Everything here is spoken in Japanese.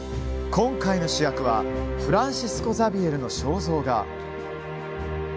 今回の主役はフランシスコ・ザビエルの肖像画。